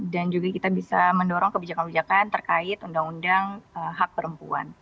dan juga kita bisa mendorong kebijakan kebijakan terkait undang undang hak perempuan